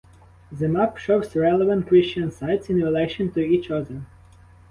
The map shows relevant Christian sites in relation to each other.